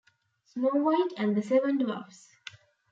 Snow White and the Seven Dwarfs.